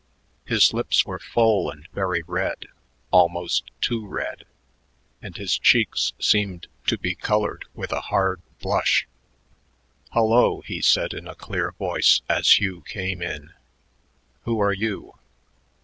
His lips were full and very red, almost too red, and his cheeks seemed to be colored with a hard blush. "Hullo," he said in a clear voice as Hugh came in. "Who are you?"